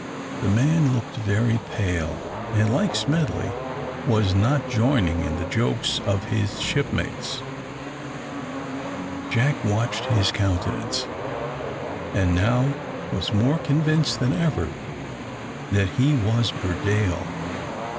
The man looked very pale, and, like Smedley, was not joining in the jokes of his shipmates. Jack watched his countenance, and now was more convinced than ever that he was Burdale.